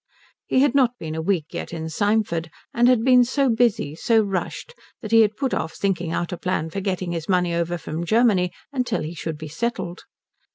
He had not been a week yet in Symford, and had been so busy, so rushed, that he had put off thinking out a plan for getting his money over from Germany until he should be settled.